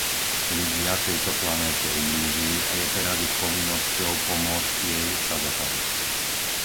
Ľudia tejto planéte ublížili a je teraz ich povinnosťou pomôcť jej sa zotaviť.